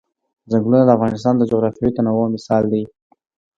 ځنګلونه د افغانستان د جغرافیوي تنوع مثال دی.